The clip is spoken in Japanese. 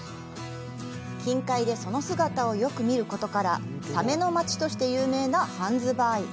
近海でその姿をよく見ることからサメの街として有名なハンズバーイ。